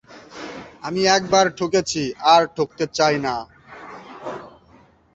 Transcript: জাতীয় ও আন্তর্জাতিক মানবাধিকার সংস্থাগুলো কথা বলতেন।